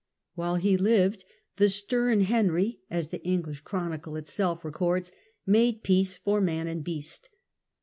While he lived, the stem Henry (as the English Chronicle itself records) made peace for man and beast.